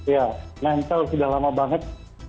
ya nempel sudah lama banget